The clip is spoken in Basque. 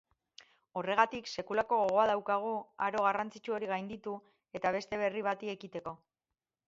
Horregatik sekulako gogoa daukagu aro garrantzitsu hori gainditu eta beste berri bati ekiteko.